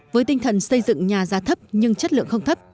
với tinh thần xây dựng nhà giá thấp nhưng chất lượng không thấp